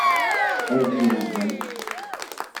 Ad zewjen.